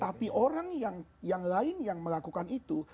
tapi orang yang lain yang melakukan itu